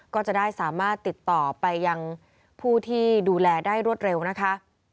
ก็จะได้สามารถติดต่อไปยังผู้ที่ดูแลได้รวดเร็วนะคะ